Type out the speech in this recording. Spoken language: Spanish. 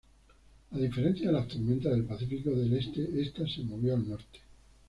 A diferencia de las tormentas del Pacífico del este, esta se movió al norte.